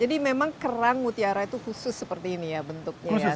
jadi memang kerang mutiara itu khusus seperti ini ya bentuknya